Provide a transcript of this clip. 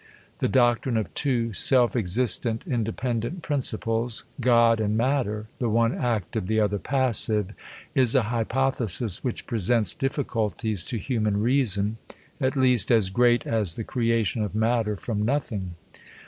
The doctrine of two self existent, independent principles, God and matter, the one active, the other passive, is a hypothesis which presents ditficulties to human reason, at least as great as the creation of matter from nothing.